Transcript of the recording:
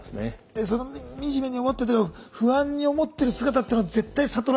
でその惨めに思ってんだけど不安に思ってる姿っていうのは絶対悟られたくないですしね